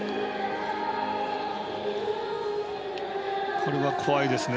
これは怖いですね。